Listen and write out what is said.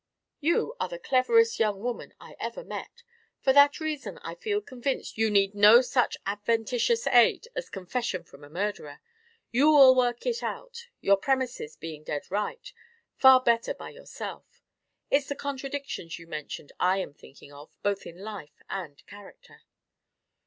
"You are the cleverest young woman I ever met. For that reason I feel convinced you need no such adventitious aid as confession from a murderer. You will work it out your premises being dead right far better by yourself. It's the contradictions you mentioned I am thinking of, both in life and character."